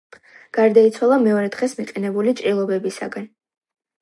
გარდაიცვალა მეორე დღეს მიყენებული ჭრილობებისაგან.